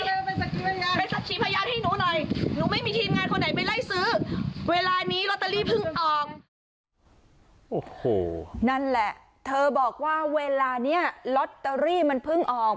หนูไม่มีทีมงานคนไหนไปไล่ซื้อเวลานี้ล็อตเตอรี่เพิ่งออกโอ้โหนั่นแหละเธอบอกว่าเวลานี้ล็อตเตอรี่มันเพิ่งออก